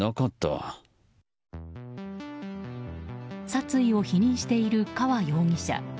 殺意を否認している河容疑者。